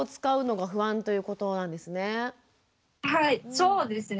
そうですね。